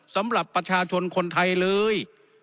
สำหรับประชาชนคนไทยเลย